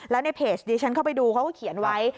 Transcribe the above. แล้วในเพจดิฉันเข้าไปดูเขาก็เขียนไว้